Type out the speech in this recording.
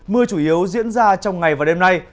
mưa chủ yếu diễn ra trong ngày và đêm nay